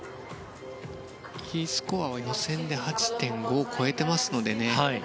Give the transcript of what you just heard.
Ｅスコアは予選で８．５を超えていますのでね。